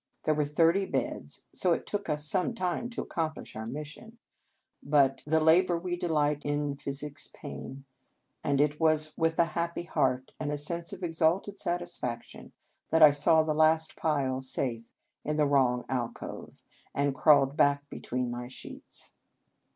There were thirty beds, so it took us some time to accomplish our mission; but "The labour we delight in physicks pain;" and it was with a happy heart, and a sense of exalted satisfaction, that I saw the last pile safe in the wrong alcove, and crawled back between my sheets.